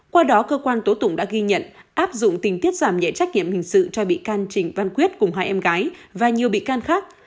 qua đó cơ quan tố tụng đã ghi nhận áp dụng tình tiết giảm nhẹ trách nhiệm hình sự cho bị can trịnh văn quyết cùng hai em gái và nhiều bị can khác